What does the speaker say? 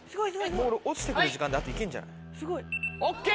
もう落ちてくる時間であといけんじゃない？ＯＫ！